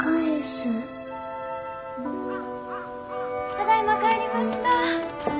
・ただいま帰りました。